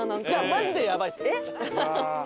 マジでやばいですよ。